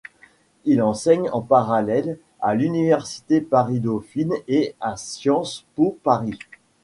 Il enseigne en parallèle à l'université Paris-Dauphine et à Sciences Po Paris.